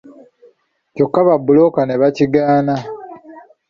Kyokka babbulooka ne bakigaana.